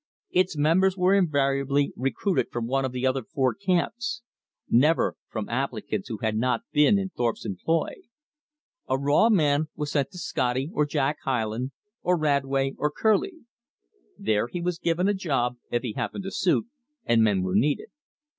Its members were invariably recruited from one of the other four camps; never from applicants who had not been in Thorpe's employ. A raw man was sent to Scotty, or Jack Hyland, or Radway, or Kerlie. There he was given a job, if he happened to suit, and men were needed.